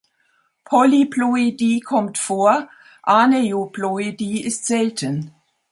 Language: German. Polyploidie kommt vor, Aneuploidie ist selten.